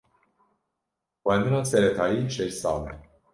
Xwendina seretayî şeş sal e.